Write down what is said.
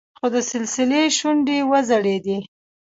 خو د سلسلې شونډې وځړېدې.